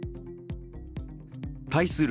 対する